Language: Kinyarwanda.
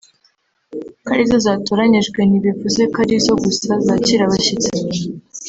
Kuba arizo zatoranyijwe ntibivuze ko ari zo gusa zakira abashyitsi